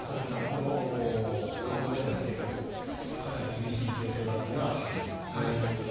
このカンボジアでの生活かなり厳しい状況だったなというところですね。